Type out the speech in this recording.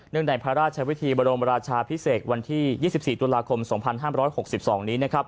เนื่องในพระราชวิธีบรมราชาพิเศษวันที่๒๔ตุลาคม๒๕๖๒นี้